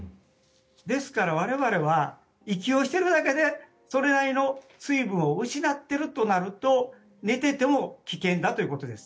ですから我々は息をしているだけでそれだけの水分を失っているとなると寝ていても危険だということです。